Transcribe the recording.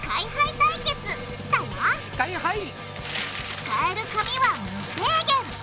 使える紙は無制限！